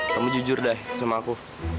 kamu jujur deh sama aku